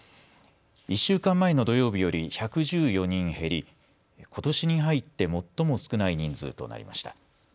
１週間前の土曜日より１１４人減りことしに入って最も少ない人数となりました。